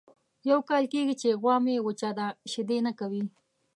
یو کال کېږي چې غوا مې وچه ده شیدې نه کوي.